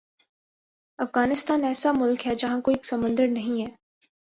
افغانستان ایسا ملک ہے جہاں کوئی سمندر نہیں ہے